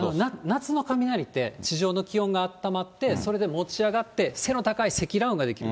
夏の雷って、地上の気温があったまって、それで持ち上がって、背の高い積乱雲が出来る。